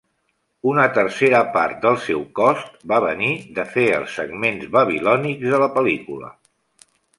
Una tercera part del seu cost va venir de fer els segments babilònics de la pel·lícula.